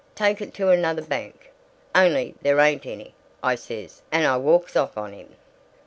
Take it to another bank, only there ain't any,' I says, and I walks off on him.